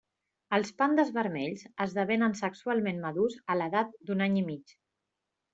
Els pandes vermells esdevenen sexualment madurs a l'edat d'un any i mig.